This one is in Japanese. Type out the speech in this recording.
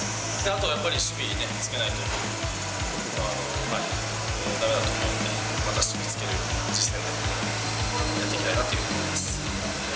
あとはやっぱり守備につけないとだめだと思うんで、また守備につけるようにやっていきたいなと思います。